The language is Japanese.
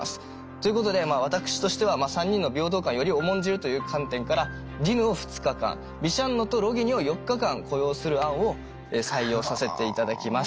ということで私としては３人の平等感をより重んじるという観点からディヌを２日間ビシャンノとロギニを４日間雇用する案を採用させていただきます。